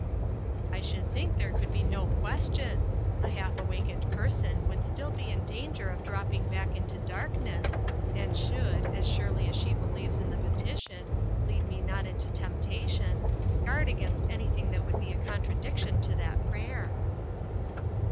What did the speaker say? " I should think there could be no ques tion. A half awakened person would still be in danger of dropping back into darkness, and should, as surely as she believes in the petition, 'lead me not into temptation,' guard against anything that would be a contradic tion to that prayer."